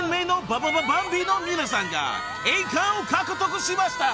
ババババンビの皆さんが栄冠を獲得しました］